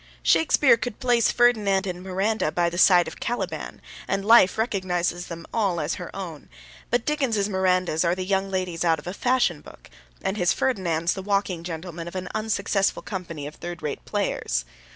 Shakespeare could place Ferdinand and Miranda by the side of Caliban, and Life recognises them all as her own, but Dickens's Mirandas are the young ladies out of a fashion book, and his Ferdinands the walking gentlemen of an unsuccessful company of third rate players.